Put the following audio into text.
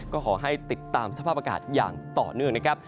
ก็ขอให้ติดตามสภาพอากาศอย่างต่อเนื่องนะครับ